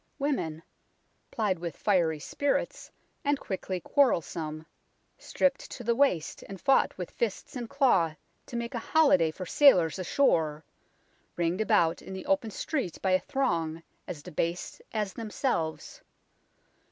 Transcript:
Women, plied with fiery spirits and quickly quarrelsome, stripped to the waist and fought with fist and claw to make a holiday for sailors ashore, ringed about in the open street by a throng as debased as themselves.